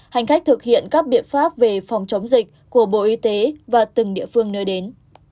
hành khách thực hiện các biện pháp về phòng chống dịch của bộ y tế và từng địa phương nơi đến